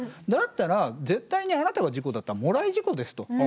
だったら絶対にあなたが事故だったらもらい事故ですと。